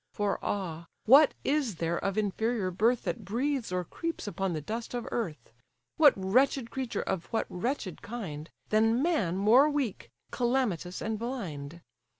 For ah! what is there of inferior birth, That breathes or creeps upon the dust of earth; What wretched creature of what wretched kind, Than man more weak, calamitous, and blind?